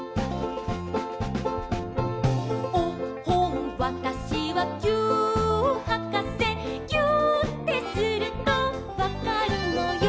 「おっほんわたしはぎゅーっはかせ」「ぎゅーってするとわかるのよ」